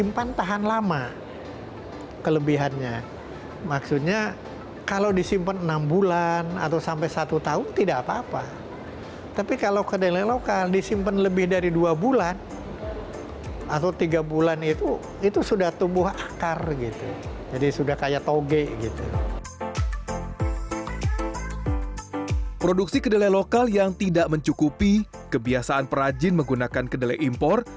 produksi kedelai lokal yang tidak mencukupi kebiasaan perajin menggunakan kedelai impor